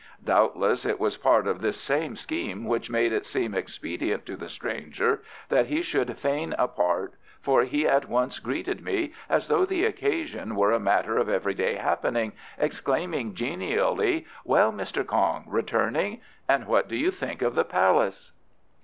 Doubtless it was a part of this same scheme which made it seem expedient to the stranger that he should feign a part, for he at once greeted me as though the occasion were a matter of everyday happening, exclaiming genially "Well, Mr. Kong, returning? And what do you think of the Palace?"